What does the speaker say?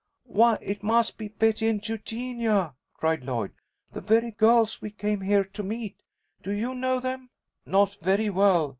"Why, it must be Betty and Eugenia!" cried Lloyd. "The very girls we came here to meet. Do you know them?" "Not very well.